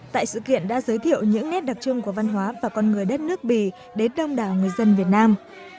tại sự kiện đã giới thiệu những nét đặc trưng của văn hóa và con người đất nước bỉ đến đông đảo người dân việt nam